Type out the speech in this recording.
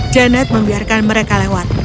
janet membiarkan mereka lewat